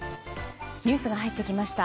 ニュースが入ってきました。